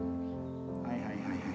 はいはいはいはい。